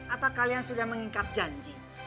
apa kalian sudah mengikat janji